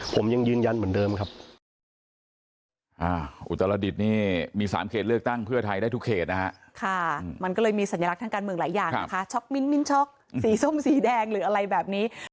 ผมยังยืนยันเหมือนเดิมครับ